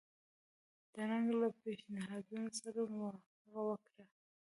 ډنکن له پېشنهادونو سره موافقه وکړه.